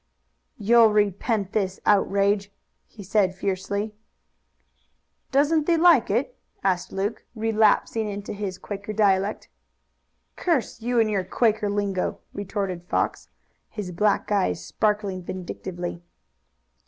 "You'll repent this outrage," he said fiercely. "Doesn't thee like it?" asked Luke, relapsing into his Quaker dialect. "Curse you and your Quaker lingo!" retorted Fox, his black eyes sparkling vindictively.